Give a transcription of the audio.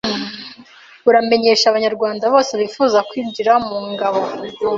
buramenyesha Abanyarwanda bose bifuza kwinjira mu ngabo